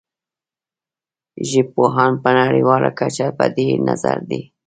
ژبپوهان په نړیواله کچه په دې نظر دي